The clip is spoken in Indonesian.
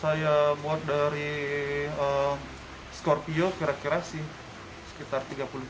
saya buat dari scorpio kira kira sih sekitar tiga puluh tujuh